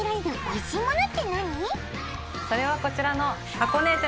それはこちらの。